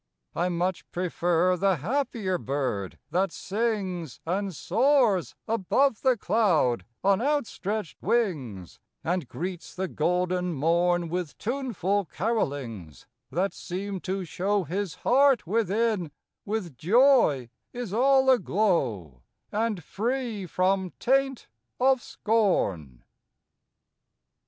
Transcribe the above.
I much prefer the happier bird that sings, And soars above the cloud on outstretched wings, And greets the golden morn With tuneful carolings that seem to show His heart within with joy is all aglow, And free from taint of scorn.